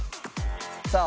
さあ。